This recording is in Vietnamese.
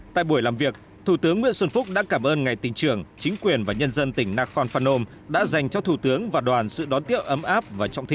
tại buổi làm việc thủ tướng nguyễn xuân phúc đã cảm ơn ngài tỉnh trưởng chính quyền và nhân dân tỉnh nakhon phanom đã dành cho thủ tướng và đoàn sự đón tiếp ấm áp và trọng thị